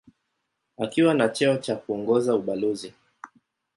Akiwa na cheo cha kuongoza ubalozi.